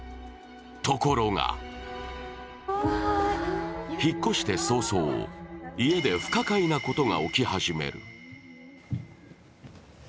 ところが引っ越して早々、家で不可解なことが起き始める。